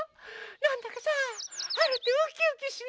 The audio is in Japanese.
なんだかさはるってウキウキしない？